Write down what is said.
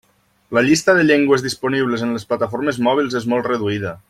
La llista de llengües disponibles en les plataformes mòbils és molt reduïda.